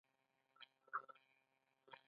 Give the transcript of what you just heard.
په منځ کښې يې يو باغ و.